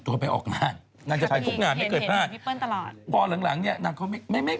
ยัดปากมั้ยเดี๋ยวเขาออกไปหมด